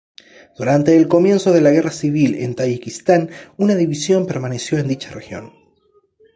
Durante el comienzo la Guerra Civil en Tayikistán una división permaneció en dicha región.